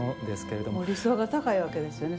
理想が高いわけですよね。